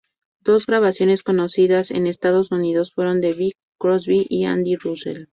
Dos grabaciones conocidas en Estados Unidos fueron de Bing Crosby y Andy Russell.